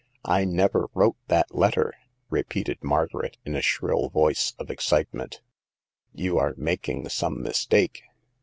" I never wrote that letter !" repeated Mar garet, in a shrill voice of excitement ;you are making some mistake."